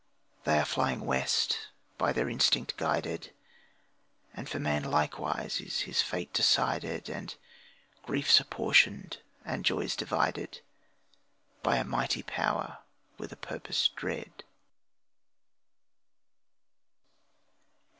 They are flying west, by their instinct guided, And for man likewise is his fate decided, And griefs apportioned and joys divided By a mighty power with a purpose dread.